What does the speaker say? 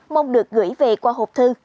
mong được gửi về qua hộp thư